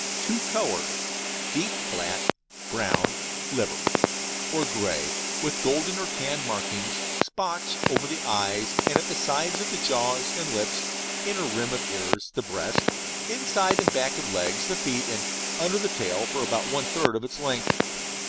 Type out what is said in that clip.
Two Coloured: Deep black, brown (liver) or grey, with golden or tan markings (spots) over the eyes at the side of the jaw and lips, inner rim of ears, the breast, inside and back of legs, the feet, and under the tail for about one third of its length.